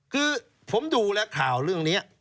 คือผมดูแล้วข่าวเรื่องนี้